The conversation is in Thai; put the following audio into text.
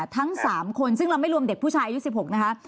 ทั้ง๓คนซึ่งเราไม่รวมเด็กผู้ชายอายุ๑๖นะคะ